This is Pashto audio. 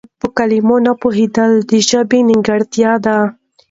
په کلمه نه پوهېدل د ژبې نيمګړتيا نه ده.